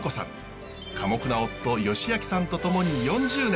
寡黙な夫芳明さんと共に４０年。